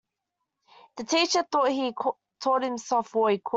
The teacher thought that he'd taught himself all he could.